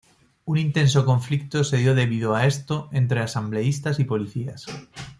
Un intenso conflicto se dio debido a esto entre asambleístas y policías.